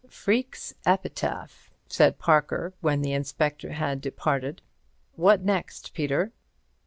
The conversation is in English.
"Freke's epitaph," said Parker, when the Inspector had departed. "What next, Peter?"